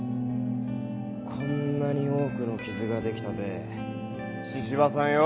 こんなに多くの傷ができたぜ神々さんよ。